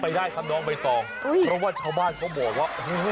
ไปได้ครับน้องใบตองเพราะว่าชาวบ้านเค้าบอกว่า